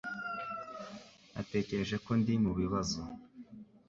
Natekereje ko ndi mubibazo